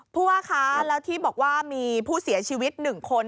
ผู้ว่าคะแล้วที่บอกว่ามีผู้เสียชีวิต๑คน